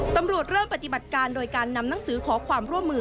ตำรวจเริ่มปฏิบัติการโดยการนำหนังสือขอความร่วมมือ